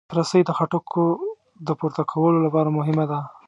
رسۍ د خټکو د پورته کولو لپاره مهمه ده.